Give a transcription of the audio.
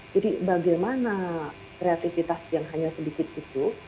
jadi bagaimana kreatifitas yang hanya sedikit itu